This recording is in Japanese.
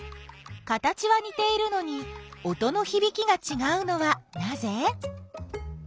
形はにているのに音のひびきがちがうのはなぜ？